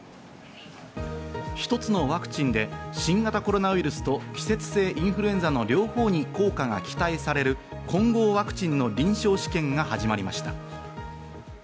一つのワクチンで新型コロナウイルスと季節性インフルエンザの両方に効果が期待される混合ワクチンの臨床試験が始まりました。